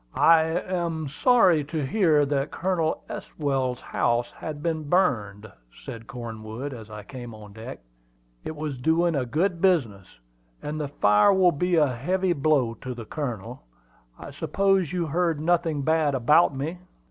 "I am sorry to hear that Colonel Estwell's house has been burned," said Cornwood, as I came on deck. "It was doing a good business, and the fire will be a heavy blow to the Colonel. I suppose you heard nothing bad about me."